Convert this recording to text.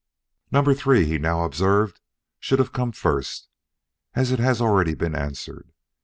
"Number Three," he now observed, "should have come first, as it has already been answered.